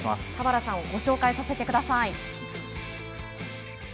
田原さんをご紹介させてください。